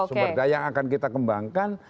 sumber daya yang akan kita kembangkan